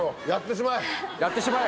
やってしまえ！